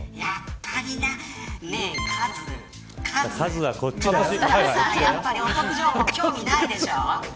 ねえ、カズお得情報、興味ないでしょう。